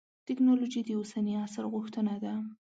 تکنالوجي د اوسني عصر غوښتنه ده.